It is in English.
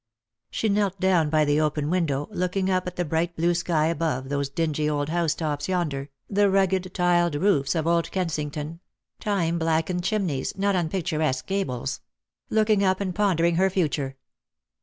She knelt down by the open window, looking up at the bright blue sky above those dingy old house tops yonder.the rugged t'led roofs of old Kensington— time blackened chimneys, not Lost for Love. 191 nnpicturesque gables; looking up and pondering her future.